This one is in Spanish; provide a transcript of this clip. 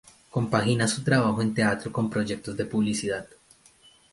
Compagina su trabajo en teatro con proyectos de publicidad.